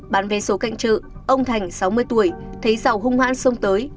bán vé số cạnh trự ông thành sáu mươi tuổi thấy giàu hung hãn xông tới